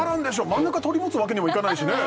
真ん中取り持つわけにもいかないしね